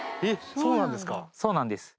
そうなんですか。